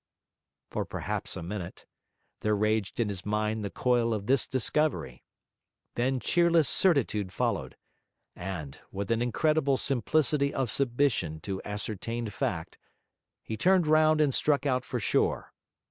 For perhaps a minute, there raged in his mind the coil of this discovery; then cheerless certitude followed; and, with an incredible simplicity of submission to ascertained fact, he turned round and struck out for shore.